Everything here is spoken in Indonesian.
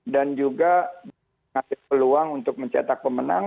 dan juga ngasih peluang untuk mencetak pemenang